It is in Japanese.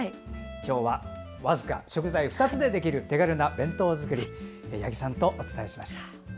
今日はわずか食材２つでできる手軽な弁当作りを八木さんとお伝えしました。